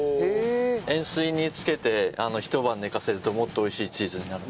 塩水に浸けて一晩寝かせるともっと美味しいチーズになる。